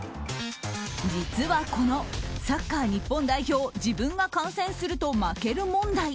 実は、このサッカー日本代表自分が観戦すると負ける問題。